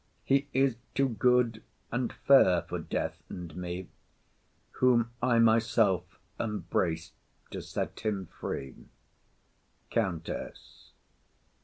He is too good and fair for death and me; Whom I myself embrace to set him free._ COUNTESS.